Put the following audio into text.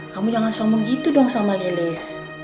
kamu jangan somong gitu dong sama yelis